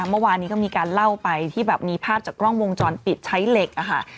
เมื่อวานนี้ก็มีการเล่าไปที่แบบมีภาพจากกล้องวงจรปิดใช้เหล็กอะค่ะ